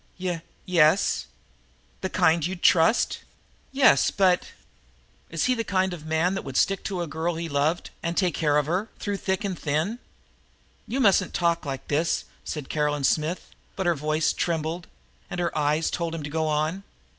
"Y yes." "The kind you'd trust?" "Yes, but " "Is he the kind that would stick to the girl he loved and take care of her, through thick and thin?" "You mustn't talk like this," said Caroline Smith, but her voice trembled, and her eyes told him to go on.